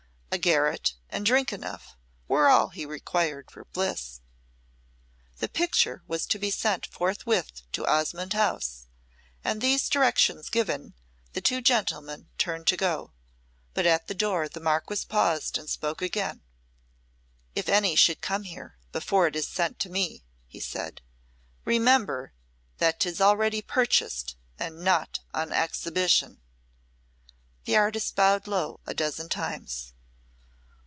A garret and drink enough were all he required for bliss. The picture was to be sent forthwith to Osmonde House, and these directions given, the two gentlemen turned to go. But at the door the Marquess paused and spoke again. "If any should come here before it is sent to me," he said, "remember that 'tis already purchased and not on exhibition." The artist bowed low a dozen times.